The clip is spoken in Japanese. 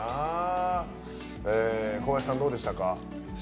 小林さん、どうでしたか。